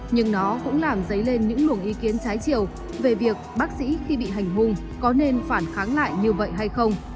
nhưng nó cũng làm dấy lên những luồng ý kiến trái chiều về việc bác sĩ khi bị hành hung có nên phản kháng lại như vậy hay không